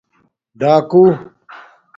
ڈاکُو